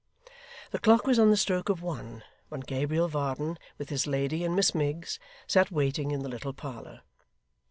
The clock was on the stroke of one, when Gabriel Varden, with his lady and Miss Miggs, sat waiting in the little parlour.